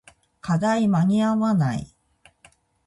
課題間に合わない